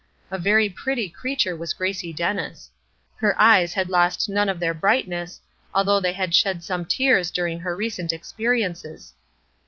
A very pretty creature was Gracie Dennis. Her eyes had lost none of their brightness, although they had shed some tears during her recent experiences.